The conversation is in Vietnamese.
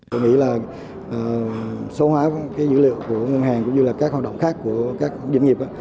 tôi nghĩ là số hóa dữ liệu của ngân hàng cũng như là các hoạt động khác của các doanh nghiệp